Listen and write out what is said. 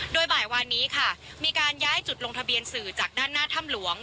โดยบ่ายวานนี้ค่ะมีการย้ายจุดลงทะเบียนสื่อจากด้านหน้าถ้ำหลวง